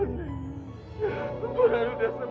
bapak burhan sembuh pak